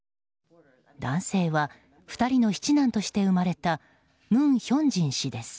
男性は２人の七男として生まれたムン・ヒョンジン氏です。